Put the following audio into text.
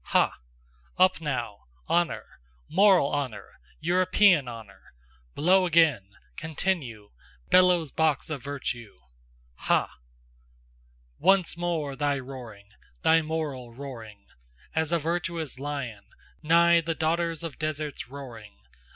Ha! Up now! honour! Moral honour! European honour! Blow again, continue, Bellows box of virtue! Ha! Once more thy roaring, Thy moral roaring! As a virtuous lion Nigh the daughters of deserts roaring!